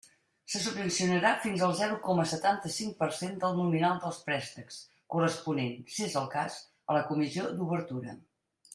Se subvencionarà fins al zero coma setanta-cinc per cent del nominal dels préstecs, corresponent, si és el cas, a la comissió d'obertura.